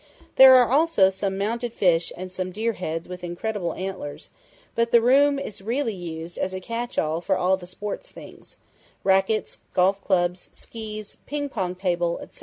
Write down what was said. There are also some mounted fish and some deer heads with incredible antlers, but the room is really used as a catch all for all the sports things racquets, golf clubs, skis, ping pong table, etc....